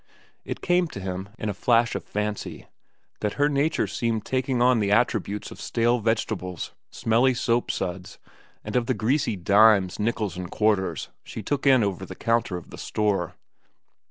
It came to him, in a flash of fancy, that her nature seemed taking on the attributes of stale vegetables, smelly soapsuds, and of the greasy dimes, nickels, and quarters she took in over the counter of the store.